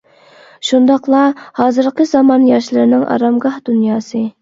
شۇنداقلا ھازىرقى زامان ياشلىرىنىڭ ئارامگاھ دۇنياسى.